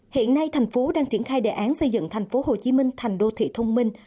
hiện nay thành phố đang triển khai đề án xây dựng thành phố hồ chí minh thành đô thị thông minh